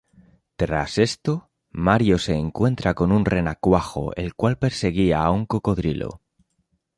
Tras esto, Mario se encuentra con un "renacuajo" el cual perseguía a un cocodrilo.